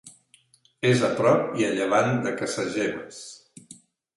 És a prop i a llevant de Casagemes.